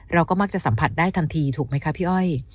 เราก็มักจะสัมผัสได้ทันทีถูกไหมคะพี่อ้อย